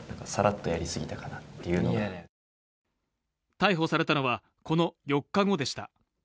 逮捕されたのは、この４日後でした。